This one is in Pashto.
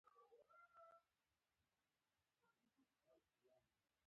د وینې سپین کرویات څه کوي؟